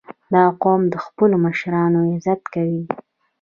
• دا قوم د خپلو مشرانو عزت کوي.